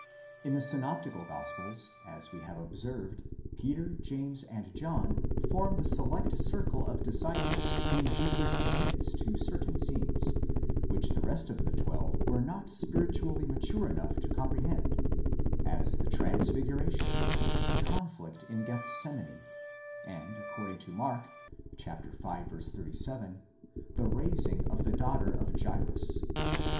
In the synoptical gospels, as we have observed, Peter, James, and John, form the select circle of disciples whom Jesus admits to certain scenes, which the rest of the twelve were not spiritually mature enough to comprehend; as the transfiguration, the conflict in Gethsemane, and, according to Mark (v. 37), the raising of the daughter of Jairus.